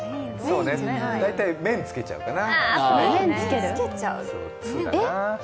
そうね、大体麺つけちゃうかな。